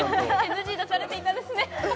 ＮＧ出されていたんですね